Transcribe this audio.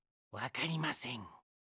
わかりません。